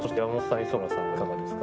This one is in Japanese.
いかがですか？